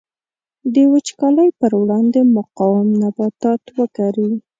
د وچکالۍ پر وړاندې مقاوم نباتات وکري.